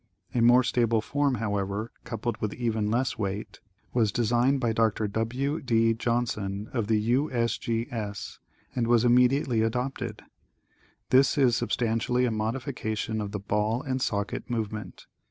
A still more stable form, however, coupled with even less weight, was 84: National Geograj)hic Magazine. designed by Mr. W. D. Johnson, of the U. S. G. S. and was im mediately adopted. This is substantially a modification of the ball and socket movement.